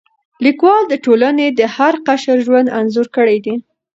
لیکوال د ټولنې د هر قشر ژوند انځور کړی دی.